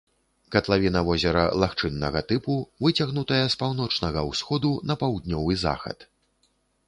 Катлавіна возера лагчыннага тыпу, выцягнутая з паўночнага ўсходу на паўднёвы захад.